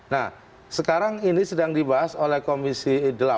nah sekarang ini sedang dibahas oleh komisi delapan